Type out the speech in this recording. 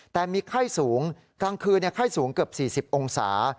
แต่มีไข้สูงกลางคืนไข้สูงเกือบ๔๐องศา